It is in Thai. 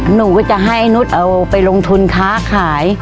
หนูก็จะให้ครุ้นลงทุนขาขาย